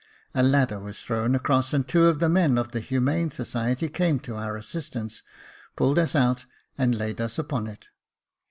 A ladder was thrown across, and two of the men of the Humane Society came to our assist ance, pulled us out, and laid us upon it.